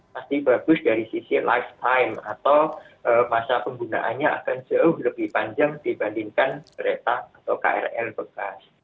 pasti bagus dari sisi lifetime atau masa penggunaannya akan jauh lebih panjang dibandingkan kereta atau krl bekas